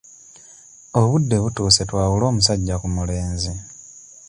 Obudde butuuse twawule omusajja ku mulenzi.